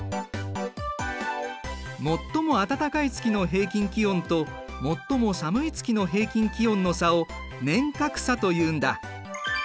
最も暖かい月の平均気温と最も寒い月の平均気温の差を年較差というんだ。